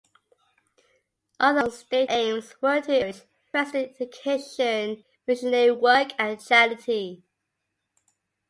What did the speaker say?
Other, unstated aims were to encourage interest in education, missionary work, and charity.